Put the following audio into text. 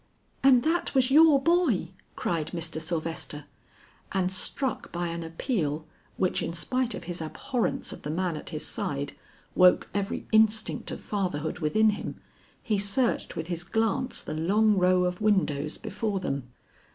"And that was your boy!" cried Mr. Sylvester. And struck by an appeal which in spite of his abhorrence of the man at his side, woke every instinct of fatherhood within him, he searched with his glance the long row of windows before them.